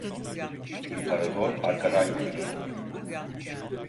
İmparator arkadan gelir.